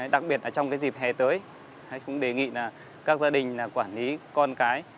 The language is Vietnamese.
đặc biệt trong dịp hè tới cũng đề nghị các gia đình quản lý con cái